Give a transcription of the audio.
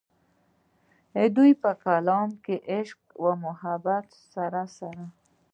د دوي پۀ کلام کښې د عشق و محبت سره سره